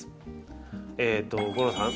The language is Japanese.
吾郎さん